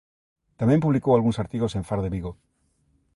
Tamén publicou algúns artigos en "Faro de Vigo".